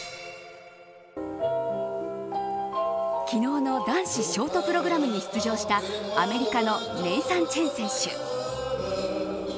昨日の、男子ショートプログラムに出場したアメリカのネイサン・チェン選手。